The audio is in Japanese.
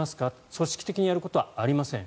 組織的にやることはありません